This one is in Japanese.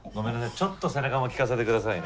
ちょっと背中も聴かせて下さいね。